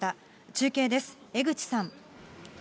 中継です、江口さん。